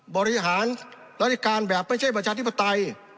บริหารราชการแบบไม่ใช่ประชาธิปไตย